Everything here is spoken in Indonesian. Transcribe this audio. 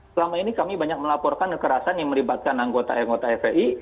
selama ini kami banyak melaporkan kekerasan yang melibatkan anggota anggota fpi